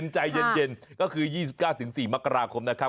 ใจเย็นก็คือ๒๙๔มกราคมนะครับ